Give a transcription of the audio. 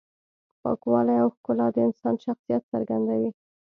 پاکوالی او ښکلا د انسان شخصیت څرګندوي.